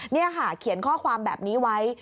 นี่ค่ะเขียนข้อความแบบนี้ไว้